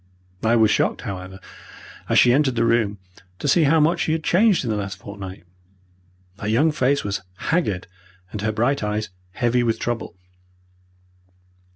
I was shocked, however, as she entered the room to see how much she had changed in the last fortnight. Her young face was haggard and her bright eyes heavy with trouble.